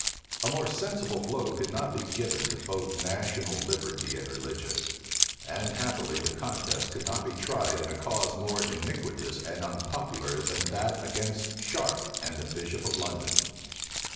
A more sensible blow could not be given both to national liberty and religion; and happily the contest could not be tried in a cause more iniquitous and unpopular than that against Sharpe and the bishop of London.